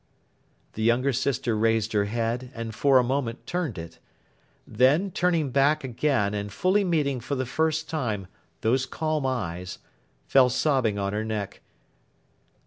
The younger sister raised her head, and, for a moment, turned it. Then, turning back again, and fully meeting, for the first time, those calm eyes, fell sobbing on her neck.